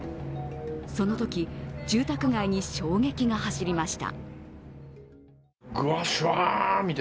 そのとき、住宅街に衝撃が走りました。